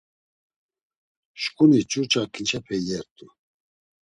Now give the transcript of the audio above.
Şǩuni ç̌urç̌a kinçepe iyert̆u.